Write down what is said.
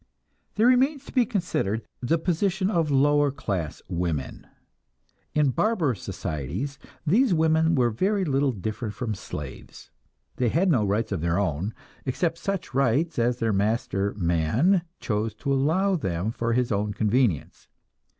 There remains to be considered the position of the lower class women. In barbarous society these women were very little different from slaves. They had no rights of their own, except such rights as their master man chose to allow them for his own convenience.